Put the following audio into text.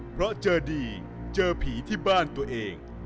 เพราะเจอดีเจอผีที่บ้านตัวเอง